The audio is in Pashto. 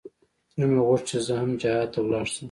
زړه مې غوښت چې زه هم جهاد ته ولاړ سم.